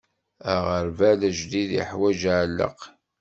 Aɣerbal ajdid iḥwaǧ aɛelleq.